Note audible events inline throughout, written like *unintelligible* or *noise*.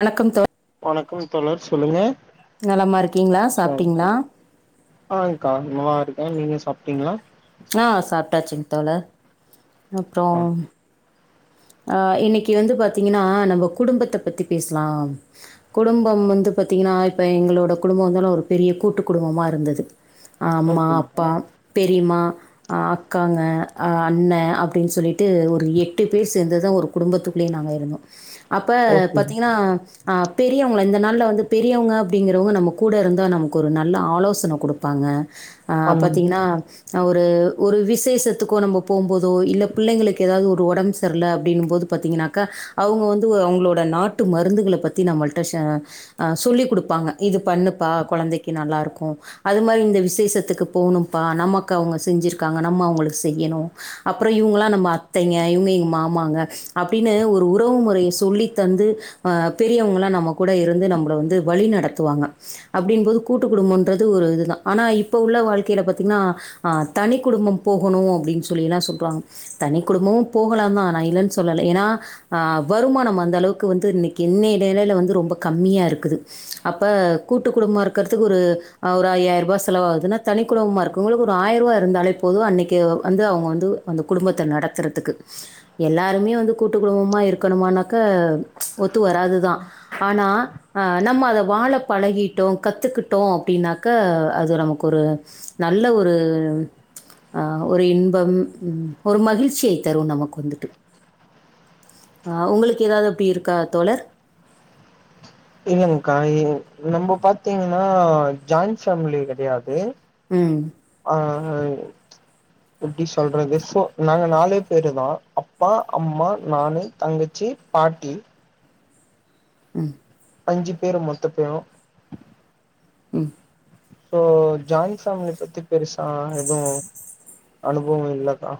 வணக்கம் தோழி வணக்கம் தோழர் சொல்லுங்க நலமா இருக்கீங்களா சாப்ட்டீங்களா ஆஹ்கா நல்லா இருக்கே நீங்க சாப்ட்டீங்களா ஆ சாப்ட்டாச்சுங்க தோழர் அப்றோ ஆ அ இன்னைக்கு வந்து பாத்தீங்கன்னா நம்ம குடும்பத்த பத்தி பேசலா குடும்பம் வந்து பாத்தீங்கன்னா இப்ப எங்களோட குடும்பம் வந்தாலும் ஒரு பெரிய கூட்டு குடும்பமா இருந்தது ஆம்மா ஓகேங்க்கா அப்பா பெரிம்மா அ அக்காங்க அ அண்ண அப்டின் சொல்லிட்டு ஒரு எட்டு டு பேர் சேர்ந்ததா ஒரு குடும்பத்துக்குள்ளே நாங்க இருந்தோ அப்ப ஓகே பாத்தீங்கன்னா அ பெரியவங்க இந்த நாள்ல வந்து பெரியவங்க அப்டிங்கிறவங்க நம்ம கூட இருந்தா நமக்கு ஒரு நல்ல ஆலோசன கொடுப் பாங்க ஆ ஆமாங் பாத்தீங்கன்னா அவரு ஒரு விசேஷத்துக்கோ நம்ம போம்போதோ இல்ல பிள்ளைங்களுக்கு ஏதாவது ஒரு உடம்பு தெர்ல அப்டின் போது பாத்தீங்கனாக்க அவங்க வந்து அவங்களோட நாட்டு மருந்துகள பத்தி நம்மள்ட ஷே அ சொல்லி குடுப்பாங்க இது பண்ணுப்பா கொழந்தைக்கு நல்லா இருக்கு அது மாரி இந்த விசேஷத்துக்கு போணும்ப்பா நமக்கு அவங்க செஞ்சிருக்காங்க நம்ம அவங்களுக்கு செய்யணு அப்றோ இவங்கலா நம்ம அத்தைங்க இவங்க எங்க மாமாங்க அப்டின்னு ஒரு உறவு முறைய சொல்லி தந்து அ பெரியவங்கலா நம்ம கூட இருந்து நம்மள வந்து வழி நடத்துவாங்க அப்டின் போது கூட்டு குடும்பன்றது ஒரு இதுதா ஆனா இப்ப உள்ள வாழ்க்கையில பாத்தீங்கன்னா ஆ தனி குடும்போ போகணு அப்டின்னு சொல்லி எல்லா சொல்றாங்க தனி குடும்போ போகலா தா நா இல்லன்னு சொல்லல ஏன்னா ஆ வருமானம் அந்த அளவுக்கு வந்து இன்னைக்கு இன்னய நெலயில வந்து ரொம்ப கம்மியா இருக்குது அப்ப கூட்டு குடும்பமா இருக்கறதுக்கு ஒரு ஒரு ஐயாயிரம் ரூபாய் செலவ் ஆகுதுன்னா தனி குடும்பமா இருக் கவங்களுக்கு ஒரு ஆயிரம் ரூவா இருந்தாலே போது அன்னைக்கு வந்து அவங்க வந்து அந்த குடும்பத்த நடத்துறதுக்கு எல்லாருமே வந்து கூட்டு குடும்பமா இருக்கணுமனாக்க ஒத்து வராதுதான் ஆனா ஆ நம்ம அத வாழ பழகிட்டோ கத்துக்கிட்டோ அப்டின்னாக்க அது நமக்கு ஒரு நல்ல ஒரு அ ஒரு இன்பம் ஒரு மகிழ்ச்சி தரு நமக்கு வந்துட்டு அ உங்களுக்கு ஏதாவது எப்டி இருக்கா தோழர் இல்லங்க்கா நம்ம பாத்தீங்கன்னா ஜாயிண்ட் ஃபேமிலி கெடையாது ம் ஆ எப்டி சொல்றது சோ நாங்க நாலு பேரு தா அப்பா அம்மா நானு தங்கச்சி பாட்டி ம் அஞ்சு பேரு மொத்த பேரு ம் சோ ஜாயிண்ட் ஃபேமிலி பத்தி பெருசா எதுவு அனுபவம் இல்லக்கா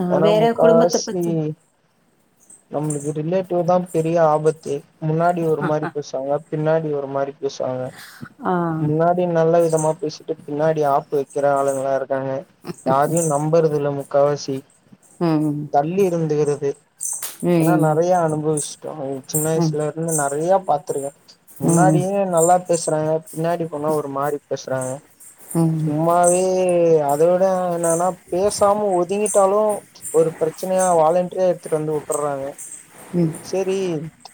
ஆ, ஏன்னா வேற குடும்பத்த முக்காவாசி பத்தி நம்மளுக்கு ரிலேட்டிவ் தா பெரிய ஆபத்து முன்னாடி ஒரு மாரி பேசுவாங்க பின்னாடி ஒரு மாரி பேசுவாங்க ஆ, முன்னா இப்பயு நல்ல விதமா பேசிட்டு பின்னாடி ஆப்பு வைக்கிற ஆளுங்களா இருக்காங்க யாரையு நம்பறது இல்ல முக்காவாசி ம் பள்ளி இருந்துகிறது ஆனா ம், ம், நெறைய அனுபவிச்சட்டோ சின்ன ம், வயசுல இருந்து நெறைய பாத்துருக்கே ம், முன்னாடியுமே நல்லாப் பேசுறாங்க பின்னாடி போனா ஒரு மாரி பேசுறாங்க ம், ம், சும்மாவே ஏ அதோட என்னன்னா பேசாம வுட்டாலு ஒரு பிரச்சனையா வாலண்டரியா எடுத்துட்டு வந்து உட்டர்றாங்க செரி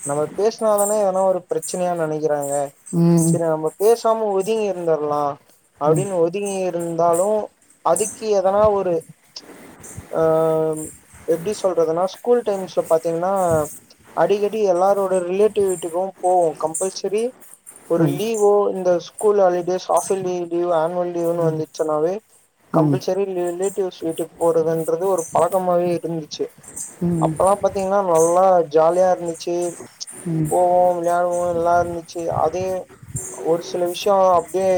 நம்ம பேசினாதானே எதனா ஒரு பிரச்சனையா நெனைக்கிறாங்க ம், ம், ம், செரி நம்பப் பேசாம ஒதுங்கி இருந்துரலாம் அப்படின்னு ஒ *unintelligible* இருந்தாலும் அதுக்கு எதனா ஒரு பிளாங்க் அ எப்டி சொல்றதுன்னா ஸ்கூல் டைம்ஸ்ல பாத்தீங்கன்னா அடிக்க எப்டி எல்லாரோட ரிலேட்டிவ் வீட்டுக்கு போவோ கம்பல்செரி ஒரு லீவோ இந்த சு school holidays half yearly leave annual லீவ்னு வந்துச்சுனாவே ம், ம், ம், கம்பல்செரி ரிலேட்டிவ்ஸ் வீட்டுக்கு போறதுன்றது ஒரு பழக்கமாவே இருந்துச்சு அப்பல்லாம் பாத்தீங்கன்னா நல்லா ஜாலியா இருந்துச்சு போவோம் விளையாடுவோம் எல்லாரு ச்சு அதே ஒரு சில விஷ்ய அப்டியே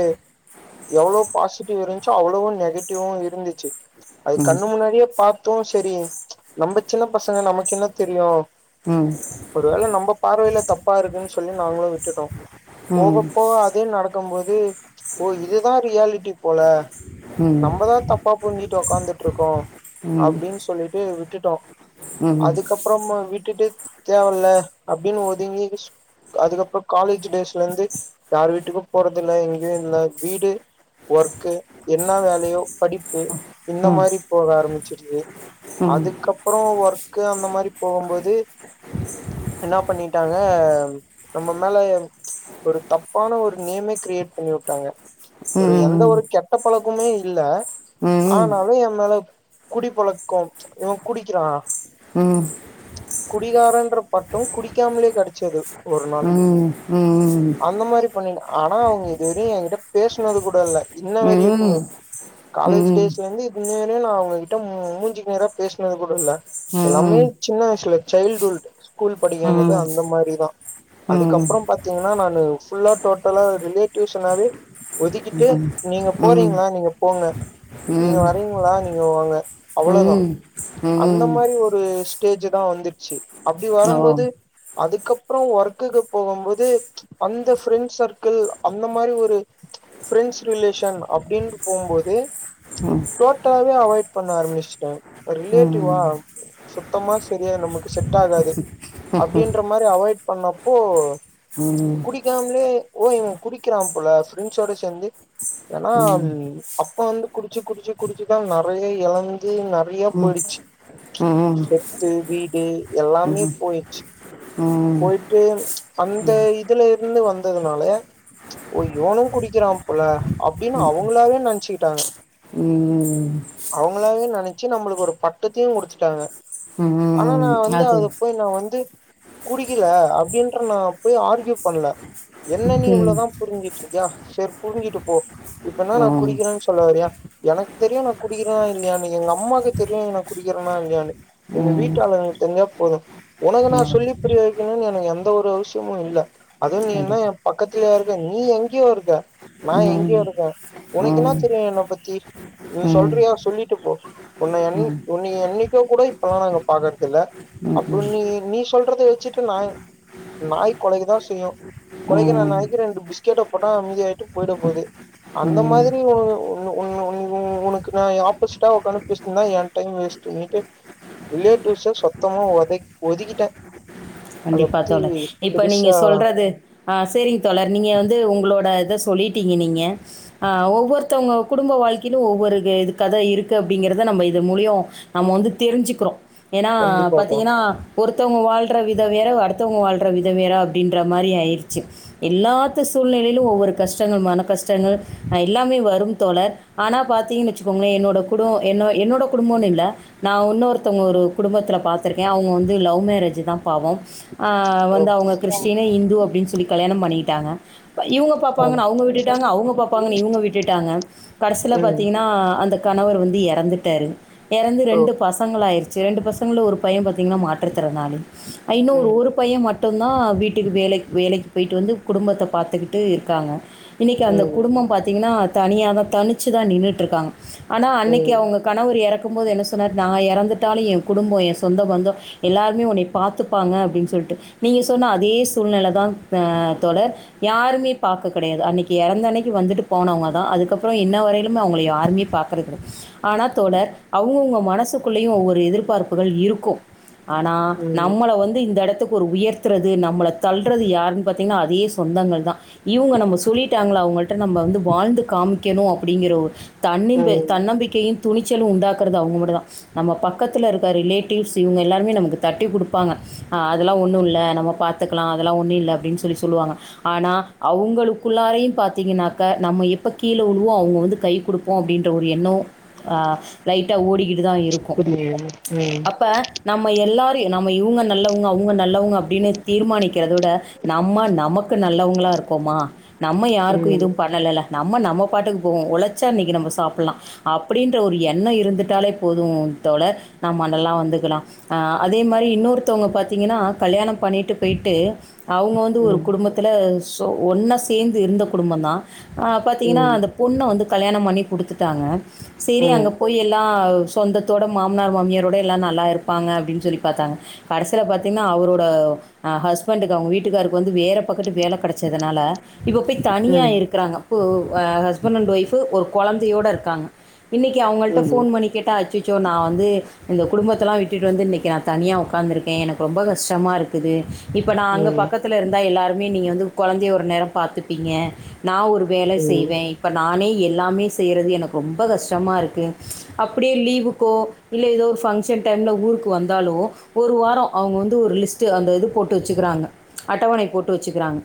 எவ்வளோ பாசிட்டிவ் இருந்துச்சோ அவ்வளோவும் நெகட்டிவ்வும் இருந்துச்சு அது ம், கண்ணு முன்னாடியே பாத்தோம் சரி நம்ம சின்ன பசங்க நமக்கு என்ன தெரியும் ம் ஒரு வேள நம்ம பார்வையில தப்பா இருக்குன்னு சொல்லி நாங்களு விட்டுட்டோ ம், ம், ம், ம், ம், ம், ம், போக போக அதே நடக்கும் போது ஓ இதுதா ரியாலிட்டி போல நம்பதா தப்பா புரிஞ்சிட்டு உக்காந்துட்டு இருக்கோ அப்டின்னு சொல்லிட்டு விட்டுட்டோ ம், அதுக்கப் அப்புறமா விட்டுட்டு தேவல்ல அப்படின்னு ஒதுங்கி அதுக்கப்பற காலேஜ் டேஸ்லருந்து யார் வீட்டுக்கு போறதில்ல எங்கேயு இல்ல வீடு ஒர்க்கு என்ன வேலையோ படிப்பு இந்த மாரி போக ஆரம்பிச்சிருது அதுக்கப்பறோ ஒர்க் க்கு அந்த மாரி போகும்போது என்னா பண்ணிட்டாங்க நம்ம மேல ஒரு தப்பான ஒரு நேமே கிரியேட் பண்ணி வுட்டாங்க ஒரு எந்த ஒரு கெ ந்த பழக்குமே இல்ல ம், ம், ம், ஆனாலு என் மேல குடிப்பழக்கம் இவ குடிக்கிறா குடிகாரன்ற பட்டோ குடிக்காமலே கெடச்சது ஒரு நாள் ம் ம் அந்த மாரி பண்ணிட்டு ஆனா அவ்ங்க இதுவரையு என்கிட்ட பேஸ்னது கூட இல்ல இன்ன ம், வரையக்கு காலேஜ் டேஸ்ல இருந்து இன்னவரையு நான் அவ்ங்ககிட்ட மு மூஞ்சுக் நேரா பேஸ்னது கூட இல்ல எல்லாமே சின்ன வய்சுல சைல்டுஹுட் ஸ்கூல் படிக்குமோது அந்த மாரிதா அதுக்கப்பறம் பாத்தீங்கன்னா நானு ஃபுல்லா டோட்டலா ரிலேட்டிவ்ஸ்னாவே ஒதுக்கிட்டு நீங்க போறீங்ளா நீங்க போங்க நீங்க வரீங்களா நீங்க வாங்க ம், அவ்வளதா ம், அந்த ம், மாரி ஒரு ஸ்டேஜ் தா வந்துருச்சு அப்படி ஓ ம் வரம்போது அதுக்கப்பறோ ஒர்க்குக்கு போகும்போது அந்த ஃபிரெண்ஸ் சர்க்கிள் அந்த மாரி ஒரு ப்ரெண்ட்ஸ் ரிலேஷன் அப்படின்னு போம்போது டோட்டலாவே அவாய்ட் பண்ண ஆரம்பிச்சட்டே ரிலேட்டிவா ம் சுத்தமா சரியா நமக்கு செட் ஆகாது அப்படின்ற மா மாரி அவாய்ட் பண்ணப்போ ம் குடிக்காமலே ஓ இவ குடிக்கிறா போல ப்ரெண்ட்ஸோட சேந்து ஏன்னா அப்பா வந்து குடிச்சு குடிச்சு குடிச்சுதா நெறைய எழந்து நெறைய போயிட்ச்சு ம் சொத்து வீடு எல்லாமே போய் ம் போய்ட்டு அந்த இதுல இருந்து வந்ததுனால ஓ இவனு குடிக்கிறா போல அப்படின்னு அவங்களாவே நெனைச்சுக்கிட்டாங்க ம் அவங்களாவே நெனைச்சு நம்மளுக்கு ஒரு பட்டத்தையு குடுத்துட்டாங்க ஆனா நா ம் வந்து அது அதுல போய் நா வந்து குடிக்கில அப்டின்ட்க்ஷு நான் போய் ஆர்க்யூ பண்ல என்ன நீ ம் இவ்ளோதா புரிஞ்சிட்ருக்கியா சரி புரிஞ்சுட்டு போ இப்ப என்னா நா ம் குதிக்கனு சொல்ல வறியா எனக்கு தெரியு நா குடிக்கிறனா இல்லையானு எங்க அம்மாவுக்கு தெரியு நா குடிக்கிறனா இல்லையானனு எங்க ம் வீட்டாளுகளுக்கு தெரிஞ்சா போது உனக்கு நா ம் சொல்லி புரிய வக்கணும்ன்னு எனக்கு எந்த ஒரு அவசியமு இல்ல அதுவு நீ என்ன கண்டிப்பா என் பக்கத்துலயா இருக்க நீ எங்க்யோ இருக்க நா ம் எங்கேயோ இருக்கே உனக்கு என்னா ம் தெரியு என்ன பத்தி ம் சொல்றியா சொல்லிட்டு போ உன்னய என் உன்னிய என்னைக்கோ கூட இப்பல்லா நாங்க பாக்கறது இல்ல அப்பற நீ நீ சொல்றத வச்சிட்டு நாய் நாய் கொழக்கதா செய்யு கொலைக்கிற ம் நாய்க்கு ரெண்டு பிஸ்கெட்ட போட்டா அமைதி ஆய்ட்டு போய்ட போது ம் அந்த ம் மாதிரி ஒ உன் உன் உன் உனக்கு நா ஆப்போசிட்டா உக்காந்து பேசுனனா எ டைம் வேஸ்ட்டு இன்னைக்கு ரிலேட்டிவ்ஸ்ஸ சொத்தமா ஒதக் ஒதிக்கிட்டே கண்டிப்பா தோழர் இப்ப நீங்க பெருசா சொல்றது ஆ சரிங்க தோழர் நீங்க வந்து உங்களோட இத சொல்லிட்டீங்க நீங்க ஆ ஒவ்வொர்த்தவ்ங்க குடும்ப வாழ்க்கிலு ஒவ்வொரு க இது கத இருக்குது அப்டிங்கிறத நம்ம இது மூலியு நம்ம வந்து தெரிஞ்சுக்கிறோ ஏன்னா கண்டிப்பாக்கா பாத்தீங்கன்னா ஒருத்தவங்க வாழ்ற வி விதோ வேற அடுத்தவுங்க வாழ்ற விதோ வேற அப்டின்ற மாரி ஆய்ர்ச்சு எல்லாத்து சூழ்நிலைலு ஒவ்வொரு கஷ்டங்கள் மன கஷ்டங்கள் எல்லாமே வரும் தோழர் ஆனா பாத்தீங்கன் வச்சுக்கோங்ளே என்னோட குடு என்ன என்னோட குடுமோன் இல்ல நா உன்னொருத்தவ்ங்க ஒரு குடும்பத்ல பார்த்துருக்கே அவ்ங்க வந்து லவ் மேரேஜுதா பாவோ ஆ வந்து அவுங்க கிறிஸ்டின்னு இந்து அப்டின்னு சொல்லி கல்யாணம் பண்ணிட்டாங்க இவுங்க ம் பாப்பாங்கன்னு அவுங்க விட்டுட்டாங்க அவுங்க பாப்பாங்கன்னு இவுங்க விட்டுட்டாங்க கடைசியில ம் பாத்தீங்கன்னா அந்த கணவர் வந்து எறந்துட்டாரு எறந்து ப்ரோ ரெண்டு பசங்களா ஆயிருச் செ இரண்டு பசங்கள ஒரு பைய பாத்தீங்கன்னா மாற்றுத்திறனாளி அ இன்னோரு ம் ஒரு பைய மட் மட்டுந்தா வீட்டுக்கு வேலைக் வேலைக்கு போய்ட்டுட்டு வந்து குடும்பத்த பாத்துக்கிட்டு இருக்காங்க இன்னைக்கி அந்த ம் குடும்பம் பாத்திங்கன்னா தனியா தா தனிச்சு தா நின்றுட்டுருக்காங்க ஆனா அன்னைக்கி ம் அவுங்க கணவர் எறக்கும் போது என்ன சொன்னார் நா எறந்துட்டாலு என் குடும்போ என் சொந்த பந்தோ எல்லோருமே உன்னிய பாத்துப்பாங்க அப்டின் சொல்ட்டு நீங்க சொன்ன அதே சூழ்நெல தான் த தோழர் யாருமே பாக்க கெடையாது அன்னைக்கு இறந்தன்னைக்கு வந்துட்டு போனவங்க தா அதுக்கப்புறோ இன்ன வரையிலு ன்னோ அவுங்கள யாருமே பாக்குறதுல ஆனா தோழர் அவுங்கவுங்க மனசுக்குள்ளயு ஒவ்வொரு எதிர்பார்ப்புகள் இருக்கு ஆனா ம் நம்மள வந்து இந்த எடத்துக்கு ஒரு உயர்த்துறது நம்மள தள்றது யாருன்னு பாத்தீங்கனா அதே சொந்தங்கள் தா இவுங்க நம்ம சொல்லிட்டாங்களா அவங்கள்ட்ட நம்ம வந்து வாழ்ந்து காமிக்கணு அப்படிங்கிற ஒரு தன்னிம்பே ம் தன்னம்பிக்கையின் துணிச்சலு உண்டாக்கறது அவங்கமட்டு தா நம்ம பக்கத்தில இருக்க ரிலேட்டிவ்ஸ் இங்க எல்லாமே நமக்கு தட்டிகுடுத் வப்பாங்க அதெல்லா ஒன்னு இல்ல நம்ம பாத்துக்கலா அதெல்லா ஒன்னு இல்ல அப்டின்னு சொல்லி சொல்லுவாங்க ஆனா அவங்களுக்குள்ளாரையு பாத்தீங்கன்னாக்க நம்ம எப்ப கீழ உழுவோ அவுங்க வந்து கை குடுக் ப்போ அப்டின்ற ஒரு எண்ணோ ஆ லைட்டா ஓடிக்கிட்டு தா இருக்கு புரியுது ம் அப்ப நம்ம எல்லாரயு நம்ம இவுங்க நல்லவங்க அவுங்க நல்லவங்க அப்டின்னு தீர்மானிக்கிறத விட நம்ம நமக்கு நல்லவங்களா இருக் ப்போமா நம்ம யாருக்கு ம் எதுவு பண்ணலல நம்ம நம்ம பாட்டுக்கு போவோ ஒழச்சா இன்னைக்கி நம்ப சாப்புலா அப்டின்ற ஒரு எண்ண இருந்துட்டாலே போது தோழா நம் அதெல்லா வந்துக்கலா ஆ அது அதே மாரி இன்னொருத்தவங்க பாத்திங்கன்னா கல்யாணம் பண்ணிட்டு போய்ட்டு அவங்க வந்து ஒரு ம் குடும்பத் த்துல சோ ஒன்னா சேந்து இருந்த குடும்ப தா அ பாத்தீங்கன்னா ம் அந்த பொண்ண வந்து கல்யாணம் பண்ணி குடுத்துட்டாங்க செரி ம் ம் அங்க போய் ப்டி எல்லா சொந்தத்தோட மாமனார் மாமியாரோட எல்லா நல்லா இருப்பாங்க அப்டின்னு சொல்லி பாத்தாங்க கடைசியில பாத்தீங்ன்னா அவரோட அ ஹஸ்பண்ட்டுக்கு அவங்க வீட்டுக்காருக்கு வந்து வேறு பக்கட்டு வேல கெடச்சதுனால இப்ப போய் தனியா ம் ம் இருக்கிறாங்க இப்பு ஆ ஹஸ்பண்ட் அண்ட் ஒய்ஃப்பு ஒரு கொழந்தையோட இருக்காங்க இன்னைக்கி‌ அவங்கள்ட ம் போன் பண்ணி கேட்ட ஆச்சுச்சோ நா வந்து இந்த குடும்பத்தல்லா விட்டுட்டு வந்து இன்னைக்கு நா தனியா உக்கார்ந்துருக்கே எனக்கு ரொம்ப கஷ்டமா இருக்குது இப்ப நா அங்க ம் பக்கத் பத்தில் இருந்தா எல்லாோருமே நீங்க வந்து கொழந்தைய ஒரு நேரோ பார்த்துப்பீங்க நா ஒரு வேலை ம் செய்வே இப்ப நானே எல்லாமே செய்யறது எனக்கு ரொம்ப கஷ்டமா இருக்கு அப்புடியே லீவுக்கோ இல்ல ஏதோ ஒரு ஃபங்ஷன் டைம்ல ஊருக்கு வந் ந்தாலு ஒரு வாரோ அவுங்க வந்து ஒரு லிஸ்ட்டு அந்த இது போட்டு வெச்சுக்கிறாங்க அட்டவணை போட்டு வெச்சுக்கிறாங்க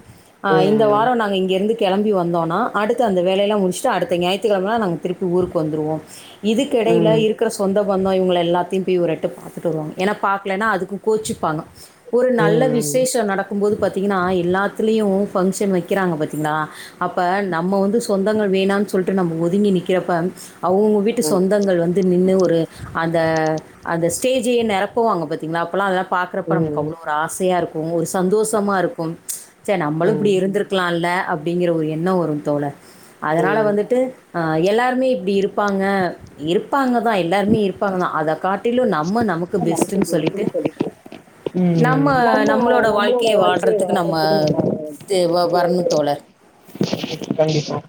ஆ இந்த வாரோ நாங்க இங்க இருந்து கெளம்பி வந்தோனா அடுத்த அந்த வேலயெல்லா முடிச்சுட்டு அடுத்த ஞாயிற்றுக்கெழமலா நாங்க திருப்பி ஊருக்கு வந்துருவோம் இதுக்க எடையில இருக்குற சொந்த பந்த இவுங்கள எல்லாத்தையு போய் ஒருரெட்டு பாத்துட்டு வருவாங்க ஏனா பாக்கலன்னா அதுக்கு கோச்சிப்பாங்க ஒரு நல்ல விசேஷோ நடக் டும்போது பாத்திங்கன்னா எல்லாத்துலயு ஃபங்க்ஷன் வைக்கிறாங்க பாத்திங்களா அப்ப நம்ம வந்து சொந்தங்கள் வேணானு சொல்ட்டு நம்ம ஒதுங்கி நிக்கிறப்ப அவுங்கவுங்க வீட்டு ம் சொந்தங்கள் வந்து நின்னு ஒரு அந்த அந்த ஸ்டேஜையே நெரப் போவாங்க பாத்தீங்ளா அப்பல்லா அதெல்லா ம் பாக்குறப்ப ம் நமக்கு அவ்ளோ ஒரு ஆசையா இருக்கு ஒரு சந்தோஷமா இருக்கும் ச்செ நம்பளு இப்பிடி ம் இருந்திருக்கலால்ல அப்டிங்கிற ஒரு எண்ண வரு தோழர் அதனால ம் வந்துட்டு ஆ எல்லோருமே இப்டி இருப்பாங்க இருப்பாங்க தா எல்லோருமே இருப்பாங்க தா அத காட் ட்டிலு நம்ம நமக்கு பெஸ்ட்ன்னு சொல்லிட்டு நம்ம நம்மளோட வாழ்க்கைய வாழ்றதுக்கு நம்ம தே வ வர்ணோ தோழர் கண்டிப்பா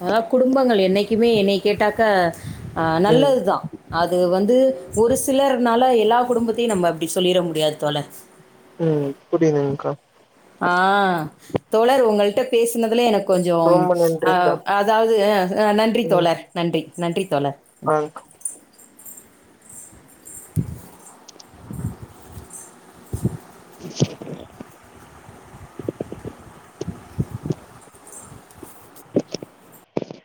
அதனால் குடும்பங்கள் என்னைக்குமே என்னய கேட்டாக்க அ ம் நல்லதுதா அது வந்து ஒரு சிலர்னால எல்லா குடும்பத்தையு நம்ம அப்டி சொல்லிட முடியாது தோழர் ம் புரியுதுங்க்கா ஆ தோழர் உங்கள்ட்ட பேசுனதுல எனக் கொஞ்சோ ரொம்ப அ நன்றிக்கா அதாவது அ நன்றி ம் தோழர் நன்றி நன்றி தோழர் *inaudible* ம் *inaudible* *inaudible*